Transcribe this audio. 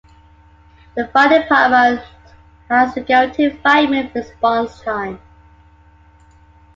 The fire department has a guaranteed five-minute response time.